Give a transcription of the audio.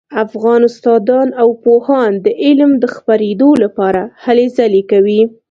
افغان استادان او پوهان د علم د خپریدو لپاره هلې ځلې کوي